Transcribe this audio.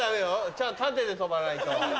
ちゃんと縦で跳ばないと。